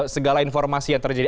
segala informasi yang terjadi